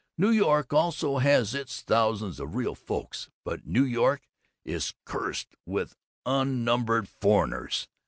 New York also has its thousands of Real Folks, but New York is cursed with unnumbered foreigners.